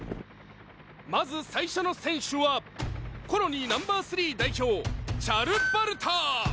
まず最初の選手はコロニーＮｏ．３代表チャル・ヴァルター！